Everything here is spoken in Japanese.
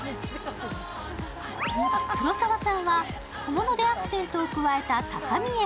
黒沢さんは小物でアクセントを加えた高見え